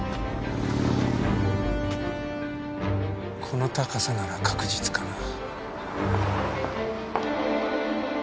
この高さなら確実かな。